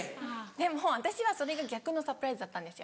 でも私はそれが逆のサプライズだったんですよ。